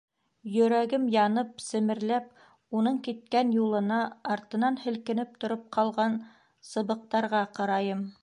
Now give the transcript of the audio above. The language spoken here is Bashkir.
Йөрәгем янып-семерләп, уның киткән юлына, артынан һелкенеп тороп ҡалған сыбыҡтарға ҡарайым.